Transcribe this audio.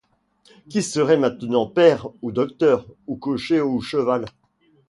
Qui serait maintenant père, ou docteur, ou cocher, ou cheval ?